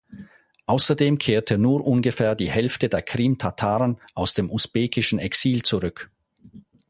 Außerdem kehrte nur ungefähr die Hälfte der Krimtataren aus dem usbekischen Exil zurück.